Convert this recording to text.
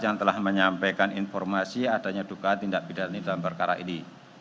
yang telah menyampaikan informasi adanya dugaan tidak benda dan jasa dalam perkara ini